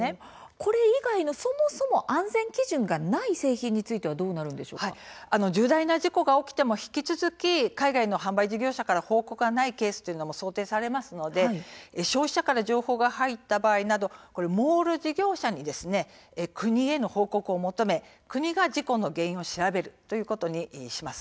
これ以外のそもそも安全基準がない製品については重大な事故が起きても引き続き海外の事業者から報告がないケースも想定されますので消費者から情報が入った場合などはモール事業者に国への報告を求め国が事故の原因を調べるということにします。